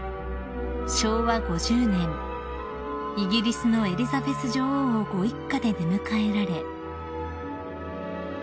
［昭和５０年イギリスのエリザベス女王をご一家で出迎えられ］